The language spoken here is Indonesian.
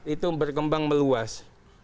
itu berkembang meluas